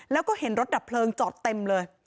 แล้วก็เห็นรถดับเพลิงจอดเต็มเลย